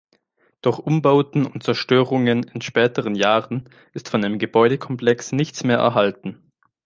Durch Umbauten und Zerstörungen in späteren Jahren ist von dem Gebäudekomplex nichts mehr erhalten.